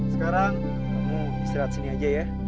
sekarang kamu istirahat sini aja ya